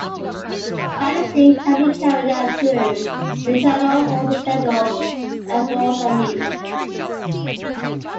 Balancing can be carried out through internal or external efforts and means.